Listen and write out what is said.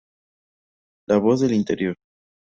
La voz del interior.